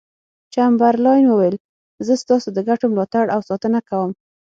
چمبرلاین وویل زه ستاسو د ګټو ملاتړ او ساتنه کوم.